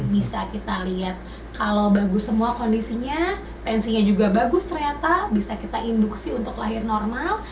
bisa kita lihat kalau bagus semua kondisinya pensinya juga bagus ternyata bisa kita induksi untuk lahir normal